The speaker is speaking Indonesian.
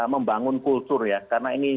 membangun kultur ya karena ini